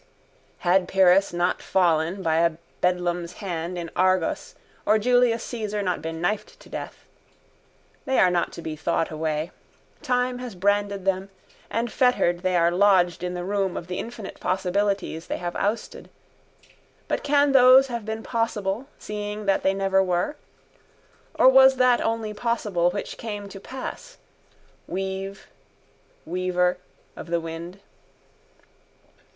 Had Pyrrhus not fallen by a beldam's hand in Argos or Julius Caesar not been knifed to death. They are not to be thought away. Time has branded them and fettered they are lodged in the room of the infinite possibilities they have ousted. But can those have been possible seeing that they never were? Or was that only possible which came to pass? Weave, weaver of the wind.